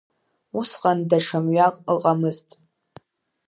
Усҟан даҽа мҩак ыҟамызт.